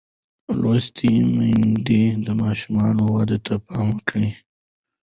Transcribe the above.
لوستې میندې د ماشوم ودې ته پام کوي.